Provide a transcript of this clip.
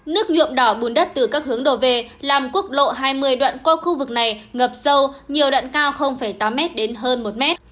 nước nhuộm đỏ bùn đất từ các hướng đổ về làm quốc lộ hai mươi đoạn qua khu vực này ngập sâu nhiều đoạn cao tám m đến hơn một m